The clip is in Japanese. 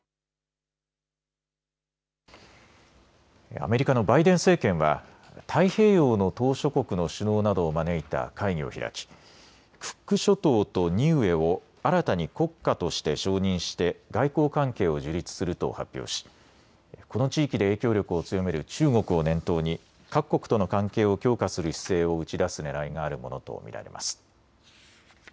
アメリカのバイデン政権は太平洋の島しょ国の首脳などを招いた会議を開きクック諸島とニウエを新たに国家として承認して外交関係を樹立すると発表しこの地域で影響力を強める中国を念頭に各国との関係を強化する姿勢を打ち出すねらいがあるものと見られます。